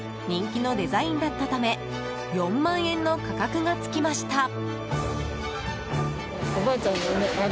人気のデザインだったため４万円の価格がつきました。